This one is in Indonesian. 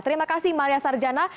terima kasih maria sarjana